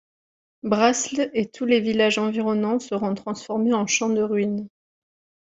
Brasles et tous les villages environnants seront transformés en champ de ruines.